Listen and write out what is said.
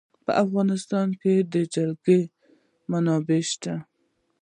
په افغانستان کې د جلګه منابع شته.